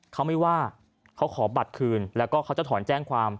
เขาไม่ว่าเขาขอบัตรคืนแล้วก็เขาจะถอนแจ้งความ